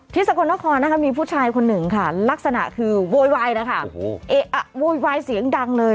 สกลนครนะคะมีผู้ชายคนหนึ่งค่ะลักษณะคือโวยวายนะคะโวยวายเสียงดังเลย